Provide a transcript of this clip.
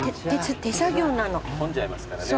混んじゃいますからね。